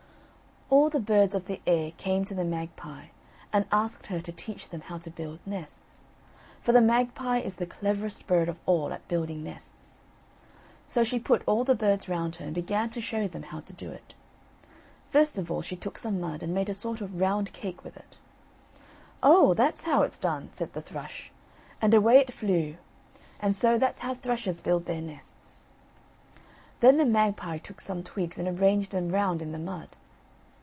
All the birds of the air came to the magpie and asked her to teach them how to build nests. For the magpie is the cleverest bird of all at building nests. So she put all the birds round her and began to show them how to do it. First of all she took some mud and made a sort of round cake with it. "Oh, that's how it's done," said the thrush; and away it flew, and so that's how thrushes build their nests. Then the magpie took some twigs and arranged them round in the mud.